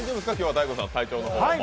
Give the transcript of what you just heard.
大悟さん、体調の方は。